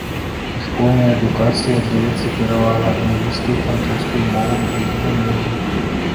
У школьнай адукацыі аддаецца перавага англійскай і французскай мовам як замежным.